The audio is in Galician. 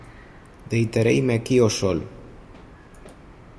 Deitareime aquí ó sol.